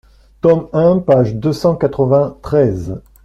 Tome un, page deux cent quatre-vingt-treize.